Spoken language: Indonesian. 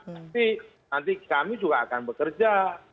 tapi nanti kami juga akan bekerja